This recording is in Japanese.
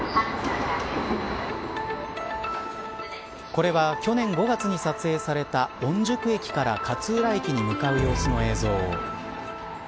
これは去年５月に撮影された御宿駅から勝浦駅に向かう様子の映像。